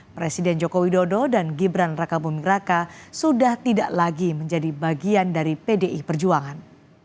presiden jokowi dodo dan gibran raka bumiraka sudah tidak lagi menjadi bagian dari pdi perjuangan